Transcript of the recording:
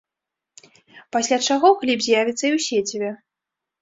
Пасля чаго кліп з'явіцца і ў сеціве.